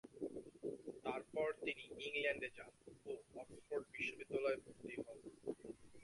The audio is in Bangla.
তারপর তিনি ইংল্যান্ডে যান ও অক্সফোর্ড বিশ্ববিদ্যালয়ে ভর্তি হন।